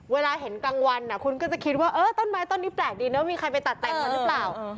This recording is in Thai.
เวลาเห็นกลางวันคุณก็จะคิดว่าเออต้นไม้ต้นนี้แปลกดีเนอะมีใครไปตัดแต่งมาหรือเปล่า